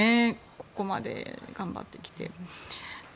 ここまで頑張ってきて。